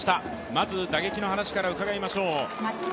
まず打撃の話から伺いましょう。